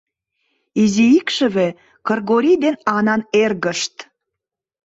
Изи икшыве, Кыргорий ден Анан эргышт.